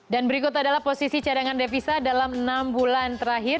dan berikut adalah posisi cadangan devisa dalam enam bulan terakhir